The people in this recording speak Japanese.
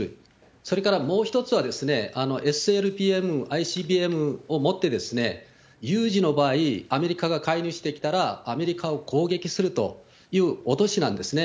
それからもう１つは、ＳＬＢＭ、ＩＣＢＭをもって、有事の場合、アメリカが介入してきたら、アメリカを攻撃するという脅しなんですね。